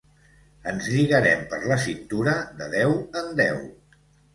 Ens lligarem per la cintura de deu en deu.